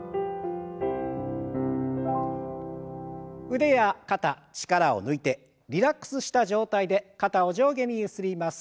腕や肩力を抜いてリラックスした状態で肩を上下にゆすります。